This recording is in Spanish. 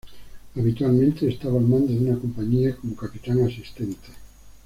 Habitualmente estaba al mando de una compañía, como capitán asistente.